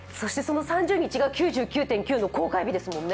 ３０日が「９９．９」の公開日ですもんね。